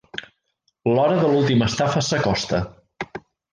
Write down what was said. L'hora de l'última estafa s’acosta.